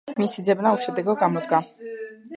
მისი ძებნა უშედეგო გამოდგა.